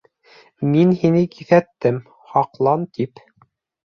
— Мин һине киҫәттем, һаҡлан тип!